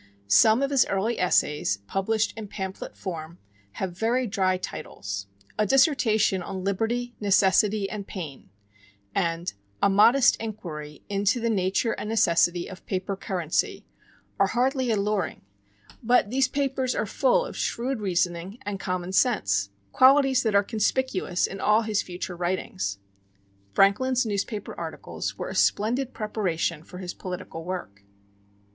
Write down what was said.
Some of his early essays, published in pamphlet form, have very dry titles. "A Dissertation on Liberty, Necessity, and Pain," and "A Modest Inquiry into the Nature and Necessity of Paper Currency" are hardly alluring; but these papers are full of shrewd reasoning and common sense qualities that are conspicuous in all his future writings. Franklin's newspaper articles were a splendid preparation for his political work.